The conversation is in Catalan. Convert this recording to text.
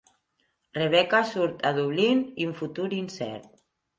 Rebecca surt a Dublín i un futur incert.